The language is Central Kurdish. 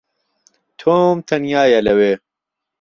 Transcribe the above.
تۆم تەنیایە لەوێ.